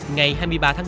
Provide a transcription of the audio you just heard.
ngày hai mươi ba tháng năm